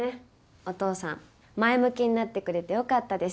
お父さん前向きになってくれてよかったです。